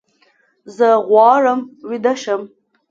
زه غواړم ویده شم